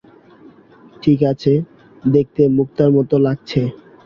ঠিক আছে, দেখতে মুক্তার মতো লাগছে।